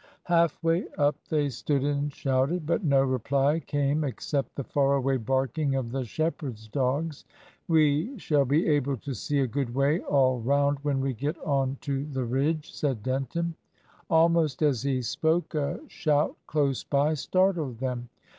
Half way up they stood and shouted; but no reply came except the far away barking of the shepherd's dogs. "We shall be able to see a good way all round when we get on to the ridge," said Denton. Almost as he spoke, a shout close by startled them.